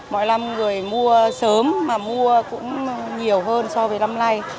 mọi năm người mua sớm mà mua cũng nhiều hơn so với năm nay